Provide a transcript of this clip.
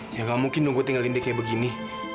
ya gak mungkin dong gua tinggalin dia kayak begini